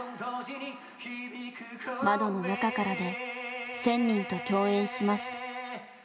「窓の中から」で１，０００人と共演します。